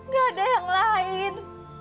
gak ada yang lain